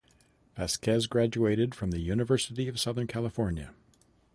Vazquez graduated from the University of Southern California.